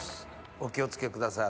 お気を付けください。